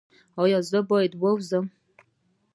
ایا زه باید ووځم؟